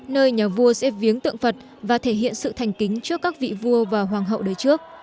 nơi nhà vua sẽ viếng tượng phật và thể hiện sự thành kính trước các vị vua và hoàng hậu đời trước